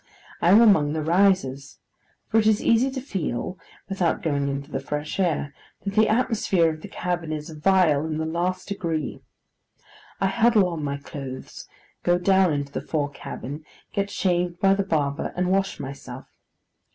I am among the risers: for it is easy to feel, without going into the fresh air, that the atmosphere of the cabin is vile in the last degree. I huddle on my clothes, go down into the fore cabin, get shaved by the barber, and wash myself.